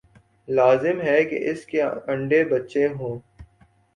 لازم ہے کہ اس کے انڈے بچے ہوں۔